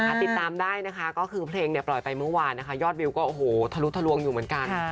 ติดตามได้นะคะก็คือเพลงเนี่ยปล่อยไปเมื่อวานนะคะยอดวิวก็โอ้โหทะลุทะลวงอยู่เหมือนกัน